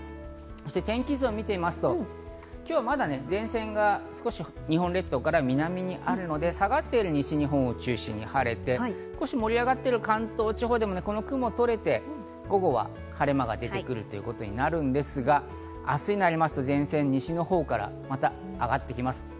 そして天気図を見てみますと、今日はまだ前線が少し日本列島から南にあるので、下がっている西日本を中心に晴れて、盛り上がっている関東地方でも、この雲が取れて、午後は晴れ間が出てくるということになるんですが、明日になりますと、前線の西のほうからまた上がってきます。